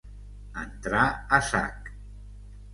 Entrar a sac.